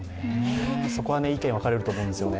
そこは意見分かれると思うんですよね。